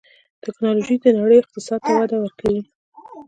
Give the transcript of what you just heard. ټکنالوجي د نړۍ اقتصاد ته وده ورکوي.